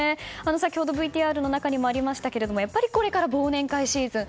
先ほどＶＴＲの中にありましたがやっぱりこれから忘年会シーズン。